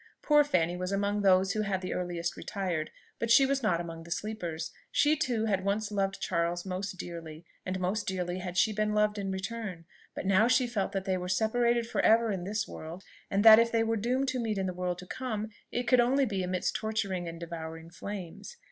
Poor Fanny was among those who had the earliest retired, but she was not among the sleepers. She too had once loved Charles most dearly, and most dearly had she been loved in return. But now she felt that they were separated for ever in this world, and that if they were doomed to meet in the world to come, it could only be amidst torturing and devouring flames.